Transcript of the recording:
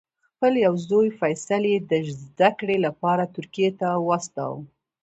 خپل یو زوی فیصل یې د زده کړې لپاره ترکیې ته واستاوه.